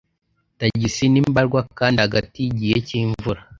Tagisi ni mbarwa kandi hagati yigihe cyimvura.